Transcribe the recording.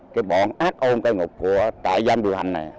cái bọn ác ôn cây ngục của trại giam đường hành này